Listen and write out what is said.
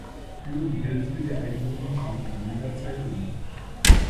Über die Hälfte der Einwohner kam in jener Zeit um.